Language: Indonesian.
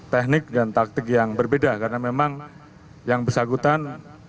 teknik dan taktik yang berbeda karena memang yang bersangkutan